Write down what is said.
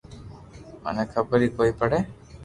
مني خبر ھي ڪوئي پڙي